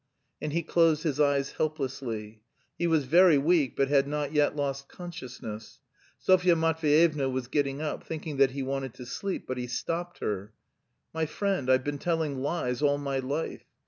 And he closed his eyes helplessly. He was very weak, but had not yet lost consciousness. Sofya Matveyevna was getting up, thinking that he wanted to sleep. But he stopped her. "My friend, I've been telling lies all my life.